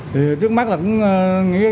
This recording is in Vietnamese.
thì trước mắt là cũng